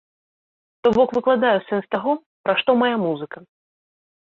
То бок выкладаю сэнс таго, пра што мая музыка.